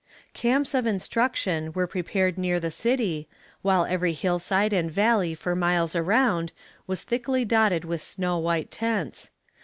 Camps of instruction were prepared near the city, while every hillside and valley for miles around was thickly dotted with snow white tents.